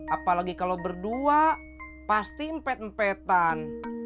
apalagi kalau berdua pasti empet empetan